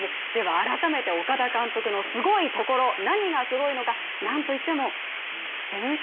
改めて岡田監督のすごいところ、何がすごいのかなんといっても選手